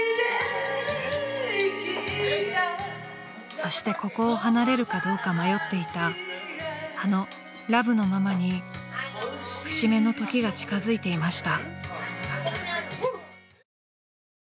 ［そしてここを離れるかどうか迷っていたあのラブのママに節目の時が近づいていました］